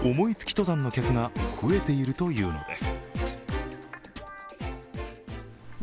登山の客が増えているというのです。